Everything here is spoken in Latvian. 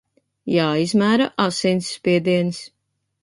Jāizmēra asinsspiediens!